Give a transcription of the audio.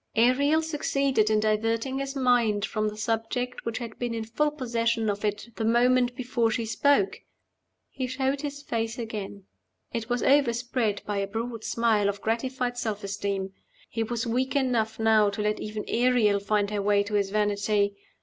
Ariel succeeded in diverting his mind from the subject which had been in full possession of it the moment before she spoke! He showed his face again. It was overspread by a broad smile of gratified self esteem. He was weak enough now to let even Ariel find her way to his vanity.